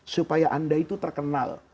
supaya anda itu terkenal